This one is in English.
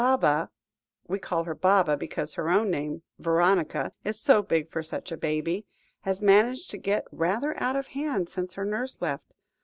"Baba we call her Baba, because her own name, Veronica, is so big for such a baby has managed to get rather out of hand since her nurse left.